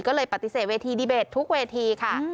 ก็เลยปฏิเสธเวทีดีเบตทุกเวทีค่ะ